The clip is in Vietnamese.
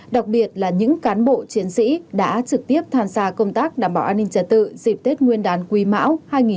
đặc biệt là những cán bộ chiến sĩ đã trực tiếp tham gia công tác đảm bảo an ninh trả tự dịp tết nguyên đán quý mão hai nghìn hai mươi